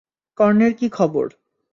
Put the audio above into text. কর্ণের কী খবর?